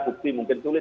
bukti mungkin sulit